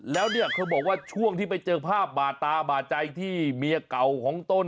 แล้วเนี่ยเธอบอกว่าช่วงที่ไปเจอภาพบาดตาบาดใจที่เมียเก่าของต้น